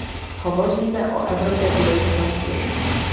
Hovoříme o Evropě budoucnosti.